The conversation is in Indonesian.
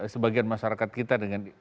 sebagian masyarakat kita dengan